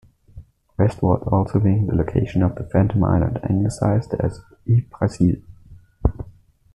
West-ward also being the location of the phantom island, anglicized as, Hy-Brasil.